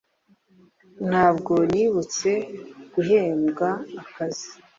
Ntabwo nibutse guhembwa akazi